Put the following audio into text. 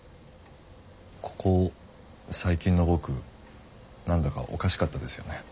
ここ最近の僕何だかおかしかったですよね？